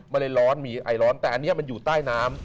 ร้อนมีไอร้อนแต่อันนี้มันอยู่ใต้น้ำ